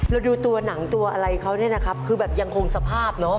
เราดูตัวหนังตัวอะไรเขาเนี่ยนะครับคือแบบยังคงสภาพเนาะ